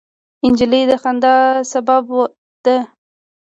نجلۍ د خندا سبب ده.